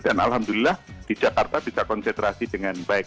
dan alhamdulillah di jakarta bisa konsentrasi dengan baik